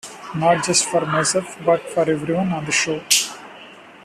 Not just for myself, but for everyone on the show.